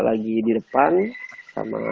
lagi di depan sama